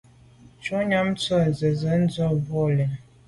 Shutnyàm tshob nzenze ndù à bwôg lem.